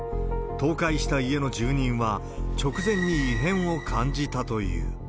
倒壊した家の住人は、直前に異変を感じたという。